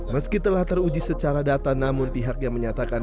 meski telah teruji secara data namun pihak yang menyatakan